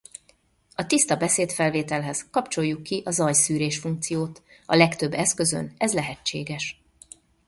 A tiszta beszédfelvételhez kapcsoljuk ki a zajszűrés funkciót: a legtöbb eszközön ez lehetséges.